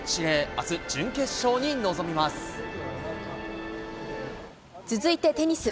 あす、準決勝に臨続いてテニス。